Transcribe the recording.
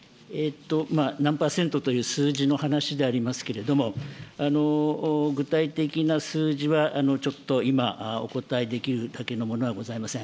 何％という数字の話でありますけれども、具体的な数字は、ちょっと今お答えできるだけのものはございません。